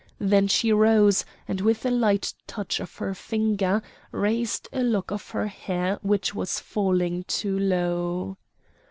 Then she rose, and with a light touch of her finger raised a lock of her hair which was falling too low.